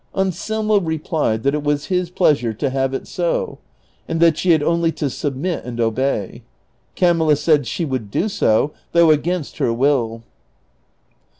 Anselmo replied that it was his pleasure to have it so. and that she had only to submit and obey. Camilla said she would do so, though against her will.